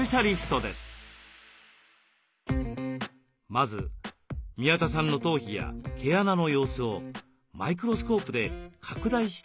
まず宮田さんの頭皮や毛穴の様子をマイクロスコープで拡大して観察します。